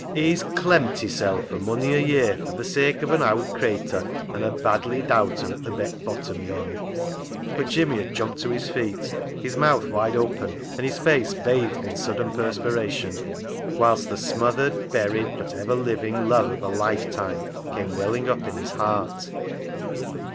" He's clemm't hissel' for mony a year for th' sake of an owd craytur and her badly dowter at th' Beck Bottom yond." 8o CLOG SHOP CHRONICLES But Jimmy had jumped to his feet, his mouth wide open, and his face bathed in sudden perspiration, whilst the smothered, buried but ever living, love of a lifetime came welling up in his heart.